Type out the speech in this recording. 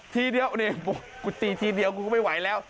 ทีเดียวนี่กูตีทีเดียวกูก็ไม่ไหวแล้ว